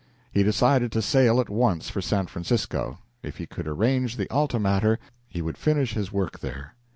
He decided to sail at once for San Francisco. If he could arrange the "Alta" matter, he would finish his work there.